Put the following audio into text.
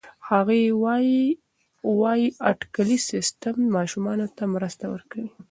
هغې وايي اټکلي سیستم ماشومانو ته مرسته ورکوي.